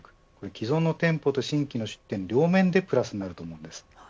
既存の店舗と新規の出店両面でプラスになると思います。